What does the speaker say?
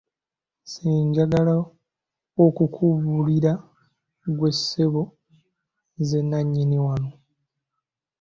Nze njagala okukubulira ggwe ssebo nze nanyini wanno.